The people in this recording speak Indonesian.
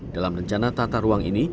dalam rencana tata ruang ini